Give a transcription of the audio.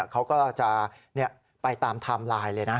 เขาก็จะไปตามไทม์ไลน์เลยนะ